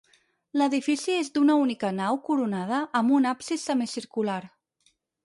L'edifici és d'una única nau coronada amb un absis semicircular.